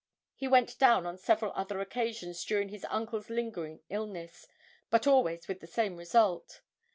He went down on several other occasions during his uncle's lingering illness, but always with the same result.